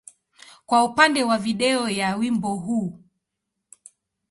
kwa upande wa video ya wimbo huu.